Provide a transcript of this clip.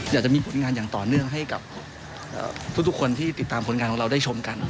อยากจะมีผลงานอย่างต่อเนื่องให้กับทุกคนที่ติดตามผลงานของเราได้ชมกัน